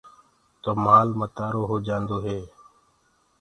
تو مآل متآرو هو جآندو هي۔